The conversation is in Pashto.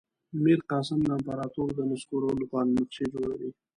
میرقاسم د امپراطور د نسکورولو لپاره نقشې جوړوي.